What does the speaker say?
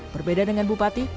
berbeda dengan bupati